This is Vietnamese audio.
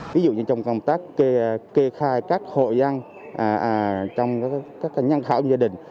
ví dụ như trong công tác kê khai các hội dân trong các nhân khảo gia đình